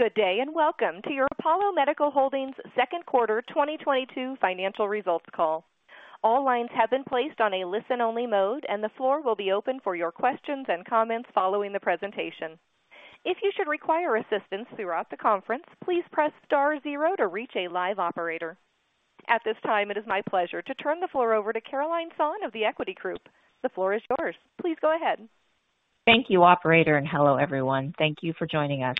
Good day, and welcome to your Apollo Medical Holdings Second Quarter 2022 Financial Results Call. All lines have been placed on a listen-only mode, and the floor will be open for your questions and comments following the presentation. If you should require assistance throughout the conference, please press star zero to reach a live operator. At this time, it is my pleasure to turn the floor over to Carolyne Sohn of The Equity Group. The floor is yours. Please go ahead. Thank you, operator, and hello, everyone. Thank you for joining us.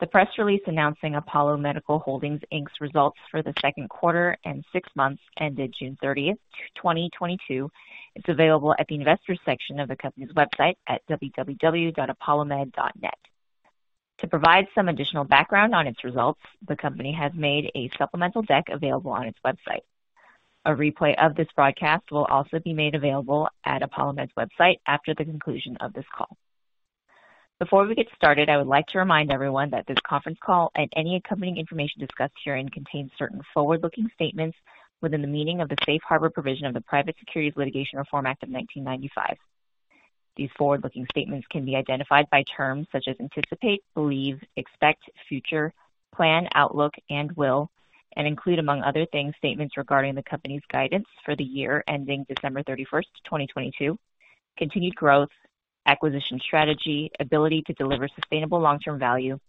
The press release announcing Apollo Medical Holdings, Inc 's results for the second quarter and six months ended June 30, 2022 is available at the investors section of the company's website at www.apollomed.net. To provide some additional background on its results, the company has made a supplemental deck available on its website. A replay of this broadcast will also be made available at ApolloMed's website after the conclusion of this call. Before we get started, I would like to remind everyone that this conference call and any accompanying information discussed herein contains certain forward-looking statements within the meaning of the Safe Harbor provision of the Private Securities Litigation Reform Act of 1995. These forward-looking statements can be identified by terms such as anticipate, believe, expect, future, plan, outlook, and will, and include, among other things, statements regarding the company's guidance for the year ending December 31, 2022, continued growth, acquisition strategy, ability to deliver sustainable long-term value,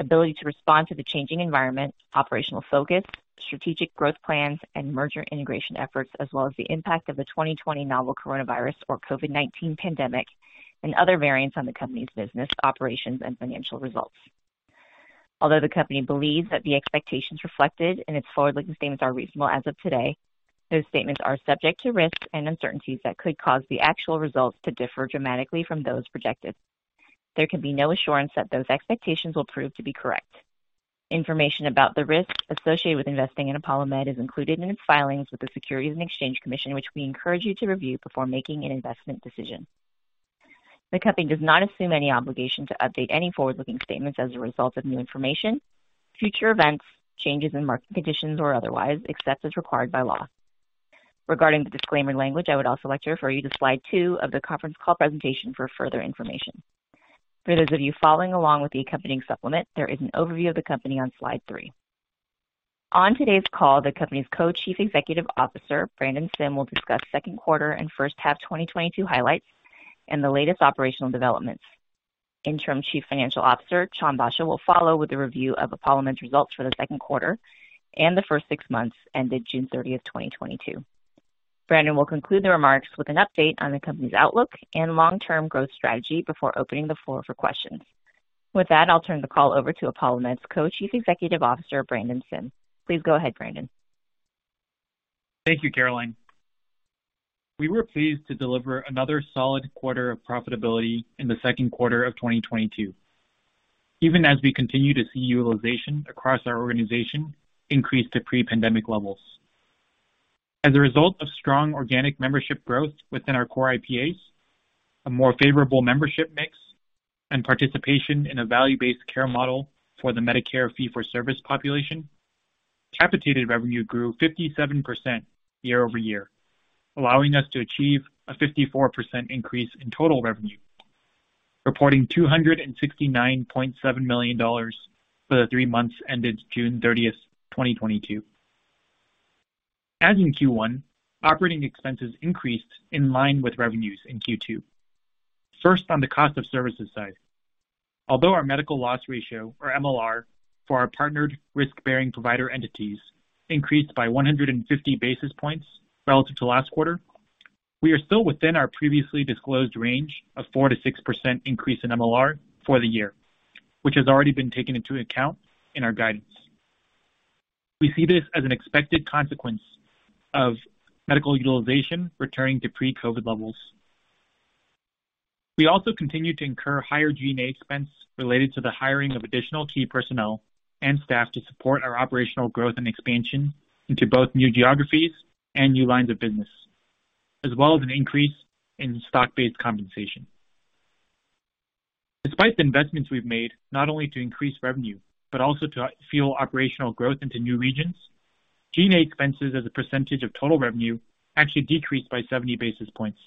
ability to respond to the changing environment, operational focus, strategic growth plans and merger integration efforts, as well as the impact of the 2020 novel coronavirus or COVID-19 pandemic, and other variants on the company's business, operations and financial results. Although the company believes that the expectations reflected in its forward-looking statements are reasonable as of today, those statements are subject to risks and uncertainties that could cause the actual results to differ dramatically from those projected. There can be no assurance that those expectations will prove to be correct. Information about the risks associated with investing in ApolloMed is included in its filings with the Securities and Exchange Commission, which we encourage you to review before making an investment decision. The company does not assume any obligation to update any forward-looking statements as a result of new information, future events, changes in market conditions or otherwise, except as required by law. Regarding the disclaimer language, I would also like to refer you to slide two of the conference call presentation for further information. For those of you following along with the accompanying supplement, there is an overview of the company on slide three. On today's call, the company's Co-Chief Executive Officer, Brandon Sim, will discuss second quarter and first half 2022 highlights and the latest operational developments. Interim Chief Financial Officer Chan Basho will follow with a review of ApolloMed's results for the second quarter and the first six months ended June 30, 2022. Brandon will conclude the remarks with an update on the company's outlook and long-term growth strategy before opening the floor for questions. With that, I'll turn the call over to ApolloMed's Co-Chief Executive Officer, Brandon Sim. Please go ahead, Brandon. Thank you, Carolyne. We were pleased to deliver another solid quarter of profitability in the second quarter of 2022, even as we continue to see utilization across our organization increase to pre-pandemic levels. As a result of strong organic membership growth within our core IPAs, a more favorable membership mix and participation in a value-based care model for the Medicare fee-for-service population, capitated revenue grew 57% year-over-year, allowing us to achieve a 54% increase in total revenue, reporting $269.7 million for the three months ended June 30, 2022. As in Q1, operating expenses increased in line with revenues in Q2. First, on the cost of services side. Although our medical loss ratio, or MLR, for our partnered risk-bearing provider entities increased by 150 basis points relative to last quarter, we are still within our previously disclosed range of 4%-6% increase in MLR for the year, which has already been taken into account in our guidance. We see this as an expected consequence of medical utilization returning to pre-COVID levels. We also continue to incur higher G&A expense related to the hiring of additional key personnel and staff to support our operational growth and expansion into both new geographies and new lines of business, as well as an increase in stock-based compensation. Despite the investments we've made, not only to increase revenue, but also to fuel operational growth into new regions, G&A expenses as a percentage of total revenue actually decreased by 70 basis points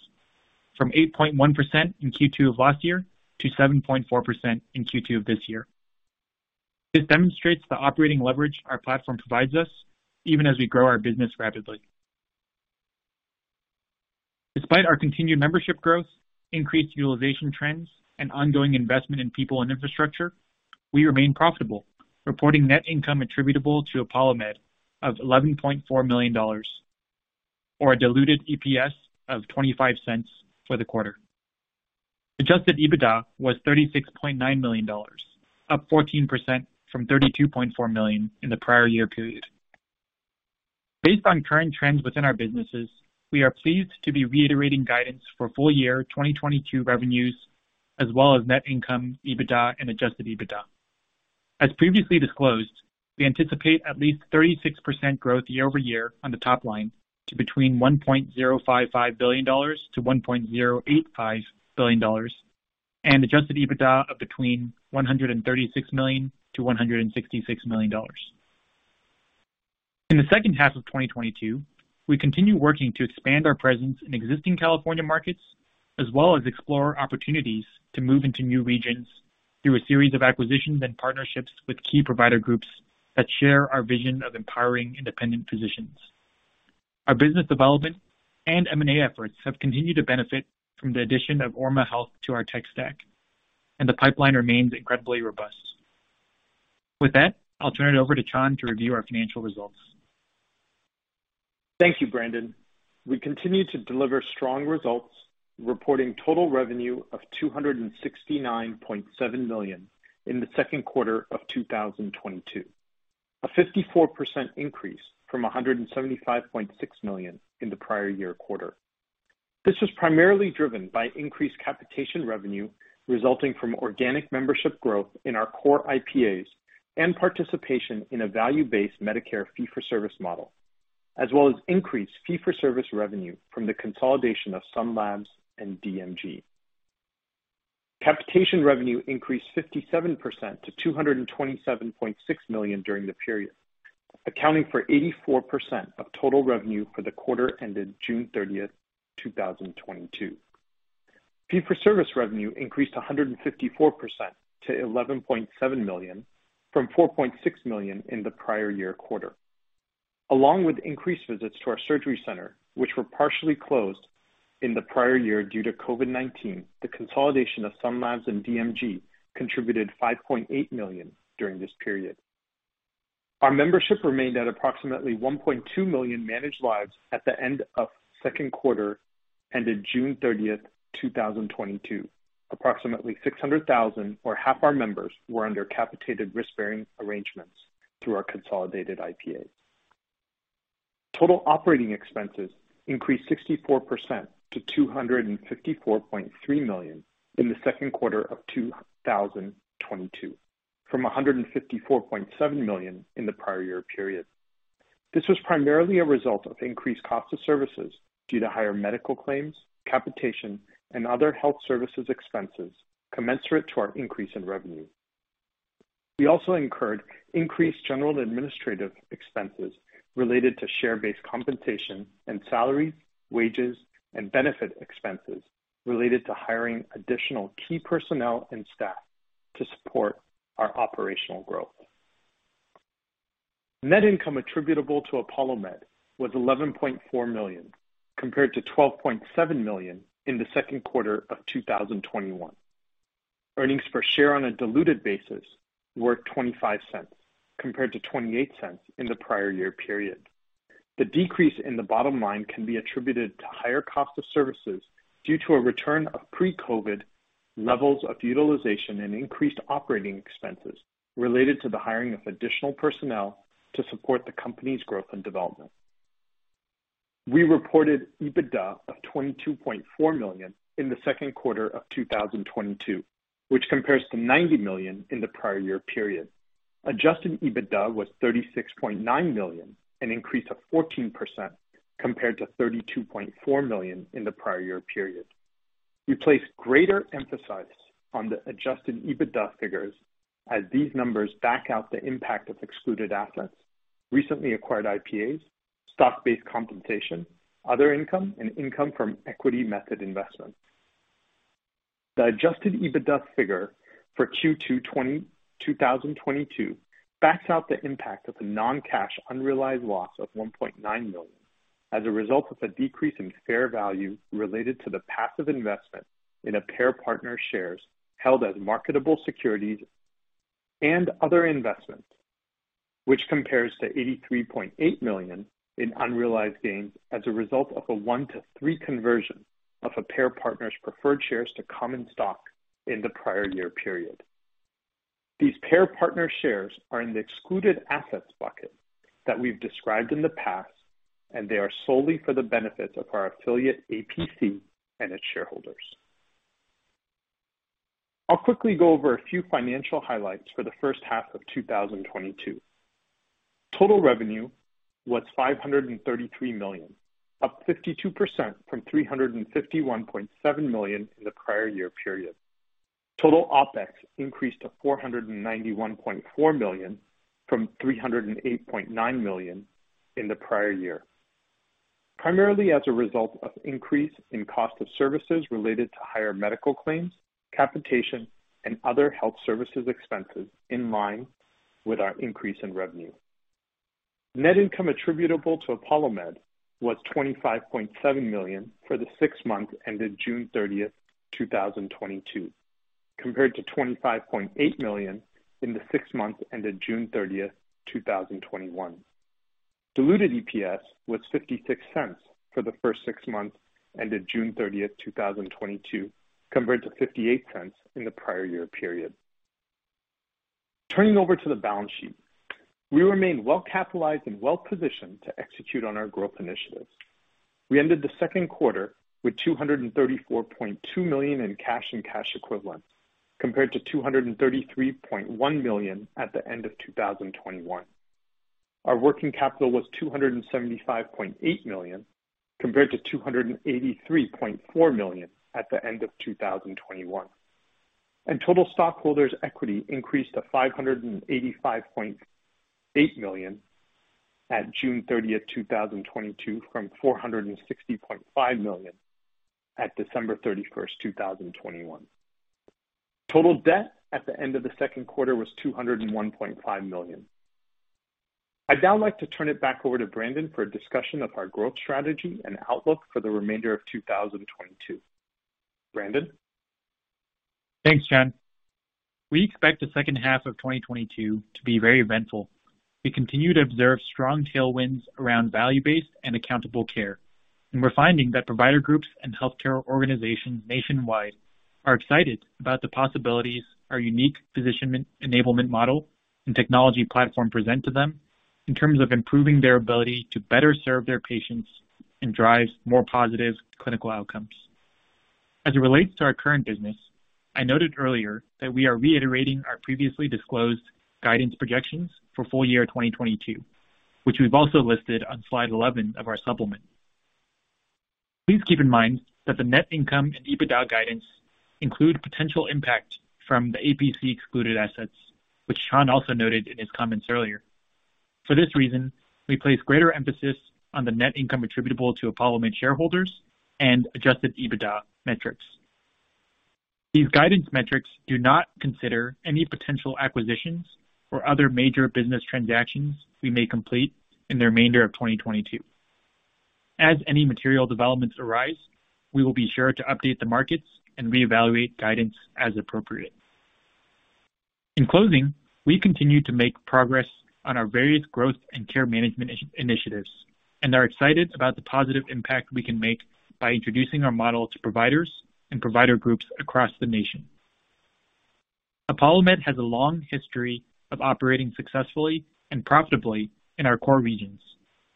from 8.1% in Q2 of last year to 7.4% in Q2 of this year. This demonstrates the operating leverage our platform provides us even as we grow our business rapidly. Despite our continued membership growth, increased utilization trends and ongoing investment in people and infrastructure, we remain profitable, reporting net income attributable to ApolloMed of $11.4 million, or a diluted EPS of $0.25 for the quarter. Adjusted EBITDA was $36.9 million, up 14% from $32.4 million in the prior year period. Based on current trends within our businesses, we are pleased to be reiterating guidance for full year 2022 revenues as well as net income, EBITDA and Adjusted EBITDA. As previously disclosed, we anticipate at least 36% growth year-over-year on the top line to between $1.055 billion-$1.085 billion and Adjusted EBITDA of between $136 million-$166 million. In the second half of 2022, we continue working to expand our presence in existing California markets as well as explore opportunities to move into new regions through a series of acquisitions and partnerships with key provider groups that share our vision of empowering independent physicians. Our business development and M&A efforts have continued to benefit from the addition of Orma Health to our tech stack, and the pipeline remains incredibly robust. With that, I'll turn it over to Chan to review our financial results. Thank you, Brandon. We continue to deliver strong results, reporting total revenue of $269.7 million in the second quarter of 2022, a 54% increase from $175.6 million in the prior year quarter. This was primarily driven by increased capitation revenue resulting from organic membership growth in our core IPAs and participation in a value-based Medicare fee for service model, as well as increased fee for service revenue from the consolidation of Sun Labs and DMG. Capitation revenue increased 57% to $227.6 million during the period, accounting for 84% of total revenue for the quarter ended June 30th, 2022. Fee for service revenue increased a 154% to $11.7 million from $4.6 million in the prior year quarter. Along with increased visits to our surgery center, which were partially closed in the prior year due to COVID-19, the consolidation of Sun Labs and DMG contributed $5.8 million during this period. Our membership remained at approximately 1.2 million managed lives at the end of second quarter, ended June 30th, 2022. Approximately 600,000, or half our members, were under capitated risk-bearing arrangements through our consolidated IPAs. Total operating expenses increased 64% to $254.3 million in the second quarter of 2022, from $154.7 million in the prior year period. This was primarily a result of increased cost of services due to higher medical claims, capitation, and other health services expenses commensurate to our increase in revenue. We also incurred increased general and administrative expenses related to share-based compensation and salaries, wages, and benefit expenses related to hiring additional key personnel and staff to support our operational growth. Net income attributable to ApolloMed was $11.4 million, compared to $12.7 million in the second quarter of 2021. Earnings per share on a diluted basis were $0.25, compared to $0.28 in the prior year period. The decrease in the bottom line can be attributed to higher cost of services due to a return of pre-COVID levels of utilization and increased operating expenses related to the hiring of additional personnel to support the company's growth and development. We reported EBITDA of $22.4 million in the second quarter of 2022, which compares to $90 million in the prior year period. Adjusted EBITDA was $36.9 million, an increase of 14% compared to $32.4 million in the prior year period. We place greater emphasis on the Adjusted EBITDA figures as these numbers back out the impact of excluded assets, recently acquired IPAs, stock-based compensation, other income and income from equity method investments. The Adjusted EBITDA figure for Q2 2022 backs out the impact of the non-cash unrealized loss of $1.9 million as a result of a decrease in fair value related to the passive investment in a payer partner shares held as marketable securities and other investments, which compares to $83.8 million in unrealized gains as a result of a one to three conversion of a payer partner's preferred shares to common stock in the prior year period. These payer partner shares are in the excluded assets bucket that we've described in the past, and they are solely for the benefits of our affiliate APC and its shareholders. I'll quickly go over a few financial highlights for the first half of 2022. Total revenue was $533 million, up 52% from $351.7 million in the prior year period. Total OpEx increased to $491.4 million from $308.9 million in the prior year, primarily as a result of increase in cost of services related to higher medical claims, capitation, and other health services expenses in line with our increase in revenue. Net income attributable to ApolloMed was $25.7 million for the six months ended June 30, 2022, compared to $25.8 million in the six months ended June 30, 2021. Diluted EPS was $0.56 for the first six months ended June 30, 2022, compared to $0.58 in the prior year period. Turning to the balance sheet. We remain well capitalized and well positioned to execute on our growth initiatives. We ended the second quarter with $234.2 million in cash and cash equivalents compared to $233.1 million at the end of 2021. Our working capital was $275.8 million compared to $283.4 million at the end of 2021. Total stockholders' equity increased to $585.8 million at June 30, 2022, from $460.5 million at December 31, 2021. Total debt at the end of the second quarter was $201.5 million. I'd now like to turn it back over to Brandon for a discussion of our growth strategy and outlook for the remainder of 2022. Brandon? Thanks, Chan. We expect the second half of 2022 to be very eventful. We continue to observe strong tailwinds around value-based and accountable care, and we're finding that provider groups and healthcare organizations nationwide are excited about the possibilities our unique position enablement model and technology platform present to them in terms of improving their ability to better serve their patients and drive more positive clinical outcomes. As it relates to our current business, I noted earlier that we are reiterating our previously disclosed guidance projections for full year 2022, which we've also listed on slide 11 of our supplement. Please keep in mind that the net income and EBITDA guidance include potential impact from the APC excluded assets, which Chan also noted in his comments earlier. For this reason, we place greater emphasis on the net income attributable to ApolloMed shareholders and Adjusted EBITDA metrics. These guidance metrics do not consider any potential acquisitions or other major business transactions we may complete in the remainder of 2022. As any material developments arise, we will be sure to update the markets and reevaluate guidance as appropriate. In closing, we continue to make progress on our various growth and care management initiatives and are excited about the positive impact we can make by introducing our model to providers and provider groups across the nation. ApolloMed has a long history of operating successfully and profitably in our core regions,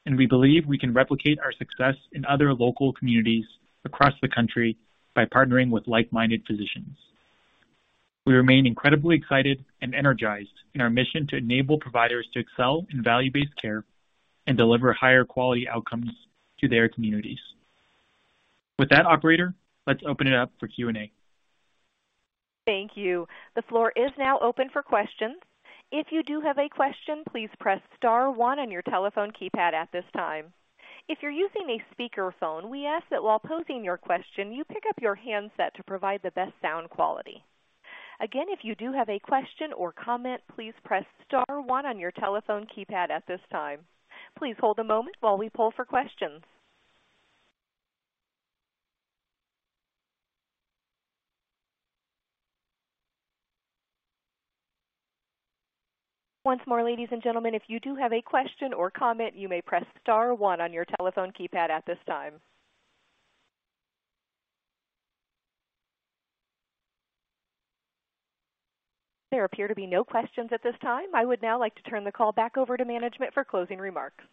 and we believe we can replicate our success in other local communities across the country by partnering with like-minded physicians. We remain incredibly excited and energized in our mission to enable providers to excel in value-based care and deliver higher quality outcomes to their communities. With that, operator, let's open it up for Q&A. Thank you. The floor is now open for questions. If you do have a question, please press star one on your telephone keypad at this time. If you're using a speakerphone, we ask that while posing your question, you pick up your handset to provide the best sound quality. Again, if you do have a question or comment, please press star one on your telephone keypad at this time. Please hold a moment while we poll for questions. Once more, ladies and gentlemen, if you do have a question or comment, you may press star one on your telephone keypad at this time. There appear to be no questions at this time. I would now like to turn the call back over to management for closing remarks.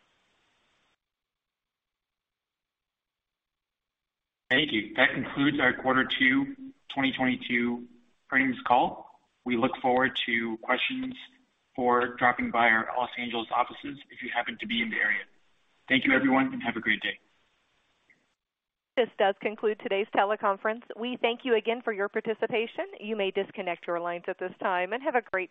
Thank you. That concludes Our Quarter Two 2022 Earnings Call. We look forward to questions or dropping by our Los Angeles offices if you happen to be in the area. Thank you, everyone, and have a great day. This does conclude today's teleconference. We thank you again for your participation. You may disconnect your lines at this time and have a great day.